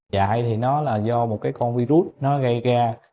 chạy thì nó là do một cái con virus nó gây ra